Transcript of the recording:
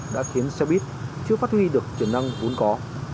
đã khiến xe buýt chưa phát huy được tiềm năng vốn có